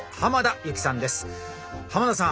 濱田さん